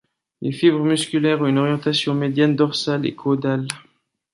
Les fibres musculaires ont une orientation médiane dorsale et caudale.